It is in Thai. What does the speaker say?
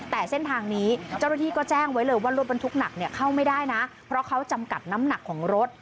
แต่เส้นทางนี้เจ้าหน้าที่ก็แจ้งไว้เลยว่ารถบรรทุกหนักเข้าไม่ได้นะเพราะเขาจำกัดน้ำหนักของรถ